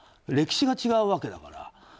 歴史が違うわけだから。